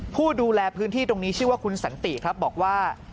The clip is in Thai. ผู้ดูแลพื้นที่ตรงนี้ชื่อว่าคุณสันติครับบอกว่า